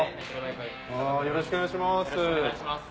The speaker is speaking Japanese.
よろしくお願いします。